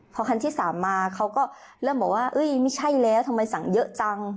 พอคันที่๓มาเขาก็เริ่มบอกว่าไม่ใช่แล้วทำไมสั่งเยอะจัง